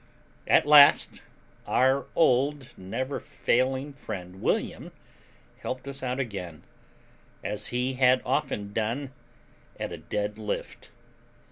At last, our old, never failing friend, William, helped us out again, as he had often done at a dead lift.